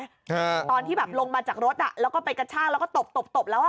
อ่าตอนที่แบบลงมาจากรถอ่ะแล้วก็ไปกระชากแล้วก็ตบตบตบแล้วอ่ะ